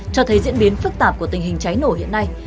cho thấy diễn biến phức tạp của tình hình cháy nổ hiện nay